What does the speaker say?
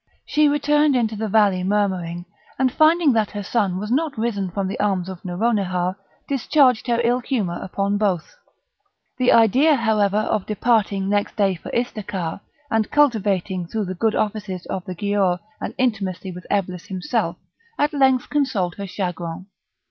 She returned into the valley murmuring, and finding that her son was not risen from the arms of Nouronihar, discharged her ill humour upon both. The idea, however, of departing next day for Istakar, and cultivating, through the good offices of the Giaour, an intimacy with Eblis himself, at length consoled her chagrin.